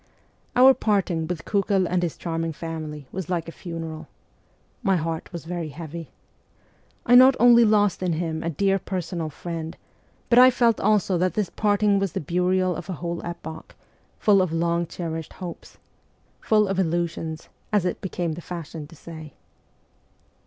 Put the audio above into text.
Our parting with Kiikel and his charming family was like a funeral. My heart was very heavy. I not only lost in him a dear personal friend, but I felt also that this parting was the burial of a whole epoch, full of long cherished hopes ' full of illusions,' as it became the fashion to say.